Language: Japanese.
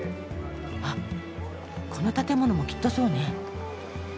あっこの建物もきっとそうね。